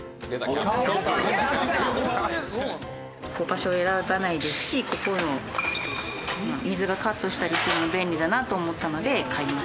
場所を選ばないですしここの水をカットしたりするの便利だなと思ったので買いました。